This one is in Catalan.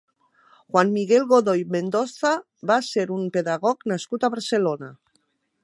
Juan Miguel Godoy Mendoza va ser un pedagog nascut a Barcelona.